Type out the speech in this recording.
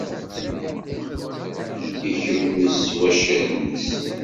Ikemmez s waccaren-is.